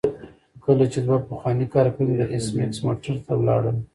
کله چې دوه پخواني کارکوونکي د ایس میکس موټر ته لاړل